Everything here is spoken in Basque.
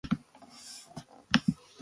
Lehengo aldean ongi gaude orain.